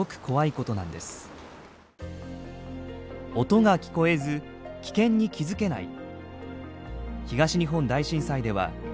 音が聞こえず危険に気付けない。